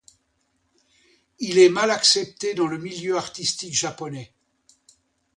Il est mal accepté dans le milieu artistique japonais.